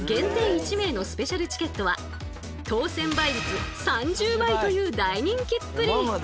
１名のスペシャルチケットは当選倍率３０倍という大人気っぷり！